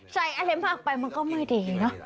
ใส่อะไรมากไปมันก็ไม่ดีเนอะ